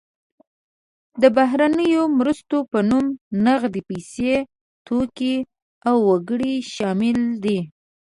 د بهرنیو مرستو په نوم نغدې پیسې، توکي او وګړي شامل دي.